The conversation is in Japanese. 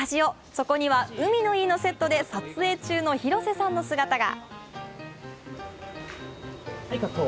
そこには海の家のセットで撮影中の広瀬さんの姿が。